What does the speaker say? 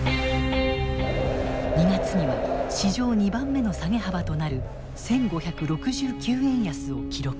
２月には史上２番目の下げ幅となる１，５６９円安を記録。